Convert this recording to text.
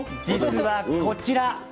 実はこちら。